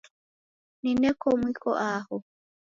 Nineke mwiko aho